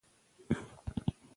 پښتو باید ولولو